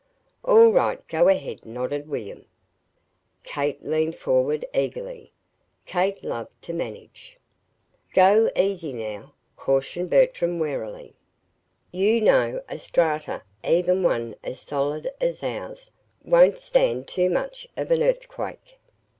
"All right, go ahead!" nodded William. Kate leaned forward eagerly Kate loved to "manage." "Go easy, now," cautioned Bertram, warily. "You know a strata, even one as solid as ours, won't stand too much of an earthquake!"